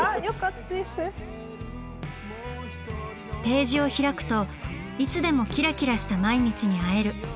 ページを開くといつでもキラキラした毎日に会える。